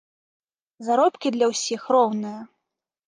Заробкі для ўсіх роўныя.